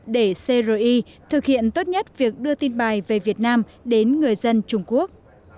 để cri thực hiện tốt nhất việc đưa tin bài về việt nam đến người dân trung quốc